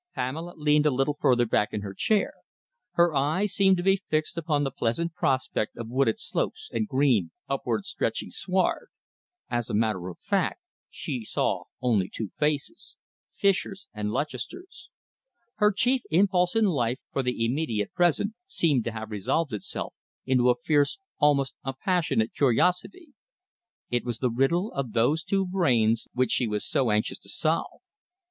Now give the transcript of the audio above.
Pamela leaned a little further back in her chair. Her eyes seemed to be fixed upon the pleasant prospect of wooded slopes and green, upward stretching sward. As a matter of fact, she saw only two faces Fischer's and Lutchester's. Her chief impulse in life for the immediate present seemed to have resolved itself into a fierce, almost a passionate curiosity. It was the riddle of those two brains which she was so anxious to solve.